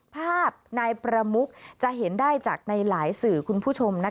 ภาพนายประมุกจะเห็นได้จากในหลายสื่อคุณผู้ชม